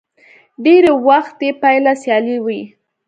ډېری وخت يې پايله سیالي وي.